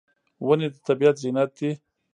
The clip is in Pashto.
ونې د طبیعت زینت دي.